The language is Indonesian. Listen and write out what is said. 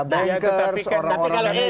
bankers orang orang manajemen